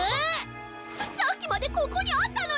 さっきまでここにあったのに！